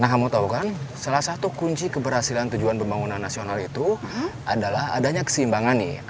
nah kamu tahu kan salah satu kunci keberhasilan tujuan pembangunan nasional itu adalah adanya keseimbangan nih